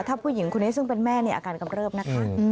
ถ้าผู้หญิงคนนี้ซึ่งเป็นแม่อาการกำเริบนะคะ